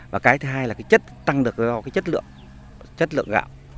và cái thứ hai là tăng được chất lượng gạo